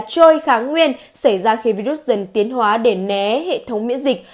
trôi kháng nguyên xảy ra khi virus dần tiến hóa để né hệ thống miễn dịch